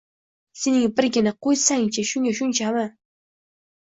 Sening birgina Qo`ysang-chi, shunga shunchami